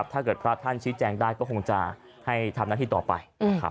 ถ้าเกิดพระท่านชี้แจงได้ก็คงจะให้ทำหน้าที่ต่อไปนะครับ